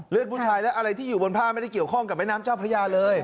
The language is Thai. ผู้ชายและอะไรที่อยู่บนผ้าไม่ได้เกี่ยวข้องกับแม่น้ำเจ้าพระยาเลย